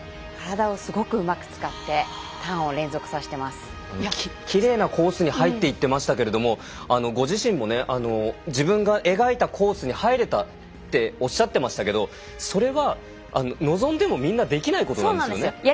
体をすごくうまく使ってきれいなコースに入っていってましたけどもご自身も自分が描いたコースに入れたっておっしゃってましたけどそれは、望んでもみんなできないことなんですよね。